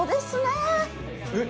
えっ！